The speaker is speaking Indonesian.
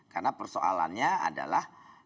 karena persoalannya adalah